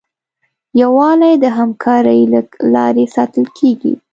یووالی د همکارۍ له لارې ساتل کېږي.